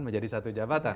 menjadi satu jabatan